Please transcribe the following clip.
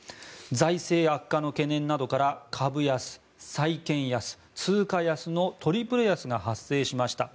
財政悪化の懸念などから株安、債券安、通貨安のトリプル安が発生しました。